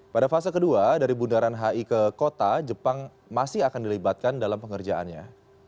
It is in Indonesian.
pada fase kedua dari bundaran hi ke kota jepang masih akan dilibatkan dalam pengerjaannya